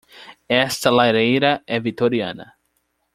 Esta lareira é vitoriana.